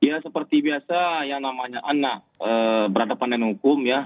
ya seperti biasa yang namanya anak berhadapan dengan hukum ya